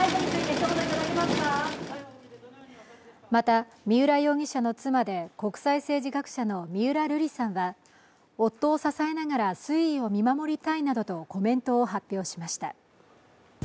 また、三浦容疑者の妻で国際政治学者の三浦瑠麗さんは夫を支えながら推移を見守りたいなどとコメントを発表しました。